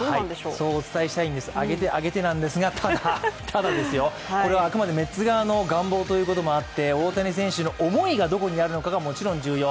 そうお伝えしたいんですが、あげて、あげてなんですが、ただ、これはあくまでメッツ側の願望ということで、大谷選手の思いがどこにあるのかがもちろん重要。